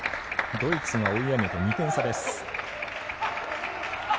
ドイツが追い上げて２点差です。